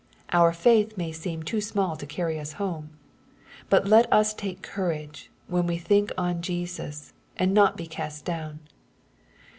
Our faith may seem too small to carry us home. But let us take courage, when we think on Jesus, and not be cast down.